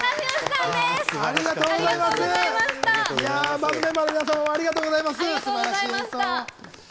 バンドメンバーの皆さんもありがとうございます！